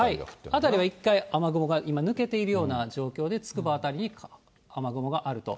辺りは一回雨雲が今、抜けているような状況で、つくば辺りに雨雲があると。